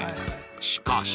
しかし